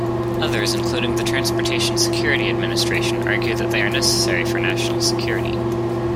Others, including the Transportation Security Administration, argue that they are necessary for national security.